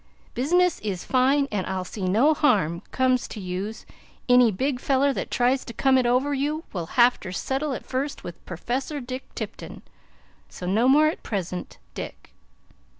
Biznes is fine an ile see no harm cums to u Enny big feler that trise to cum it over u wil hafter setle it fust with Perfessor Dick Tipton. So no more at present "DICK."